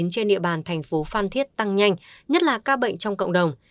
trên địa bàn thành phố phan thiết tăng nhanh nhất là ca bệnh trong cộng đồng